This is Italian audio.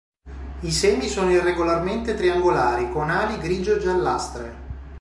I semi sono irregolarmente triangolari, con ali grigio-giallastre.